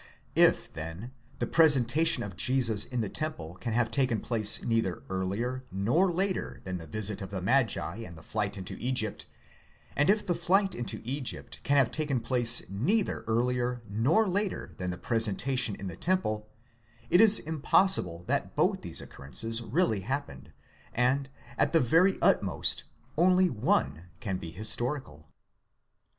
* If, then, the presentation of Jesus in the temple can have taken place: neither earlier nor later than the visit of the magi and the flight into Egypt ;. and if the flight into Egypt can have taken place neither earlier nor later than. the presentation in the temple; it is impossible that both these occurrences really happened, and, at the very utmost, only one can be historical.